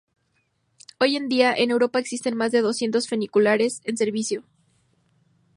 Hoy en día en Europa existen más de doscientos funiculares en servicio.